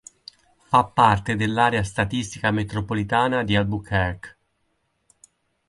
Fa parte dell'area statistica metropolitana di Albuquerque.